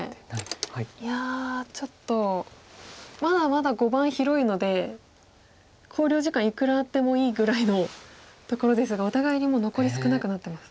いやちょっとまだまだ碁盤広いので考慮時間いくらあってもいいぐらいのところですがお互いにもう残り少なくなってます。